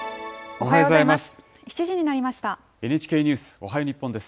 おはようございます。